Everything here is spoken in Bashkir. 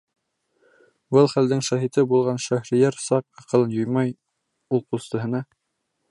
Был хәлдең шаһиты булған Шәһрейәр саҡ аҡылын юймай, ул ҡустыһына: